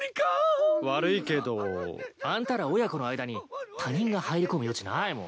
悪いけど。あんたら親子の間に他人が入り込む余地ないもん。